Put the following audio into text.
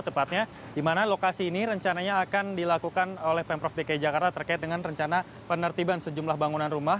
tepatnya di mana lokasi ini rencananya akan dilakukan oleh pemprov dki jakarta terkait dengan rencana penertiban sejumlah bangunan rumah